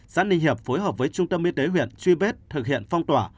xã ninh hiệp phối hợp với trung tâm y tế huyện truy vết thực hiện phong tỏa